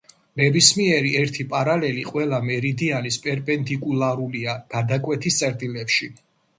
ნებისმიერი ერთი პარალელი ყველა მერიდიანის პერპენდიკულარულია გადაკვეთის წერტილებში.